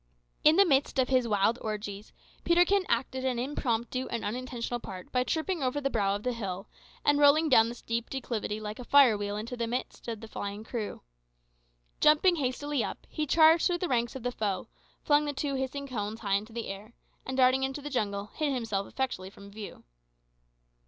In the midst of his wild orgies, Peterkin acted an impromptu and unintentional part by tripping over the brow of the hill, and rolling down the steep declivity like a fire wheel into the very midst of the flying crew. Jumping hastily up, he charged through the ranks of the foe, flung the two hissing cones high into the air, and darting into the jungle, hid himself effectually from view.